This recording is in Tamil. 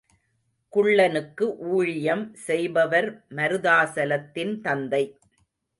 குள்ளனுக்கு ஊழியம் செய்பவர் மருதாசலத்தின் தந்தை.